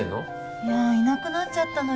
いやいなくなっちゃったのよ